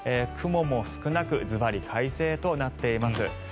雲も少なくずばり快晴となっています。